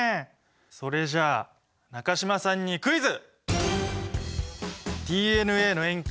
それじゃあ中島さんにクイズ！